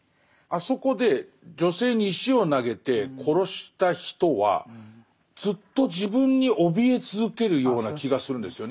あそこで女性に石を投げて殺した人はずっと自分におびえ続けるような気がするんですよね。